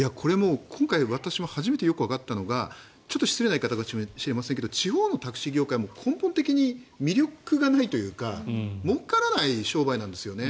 今回私も初めてよくわかったのがちょっと失礼な言い方かもしれませんが地方のタクシー業界も根本的に魅力がないというかもうからない商売なんですよね。